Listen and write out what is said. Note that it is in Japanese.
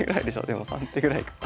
でも３手ぐらいか。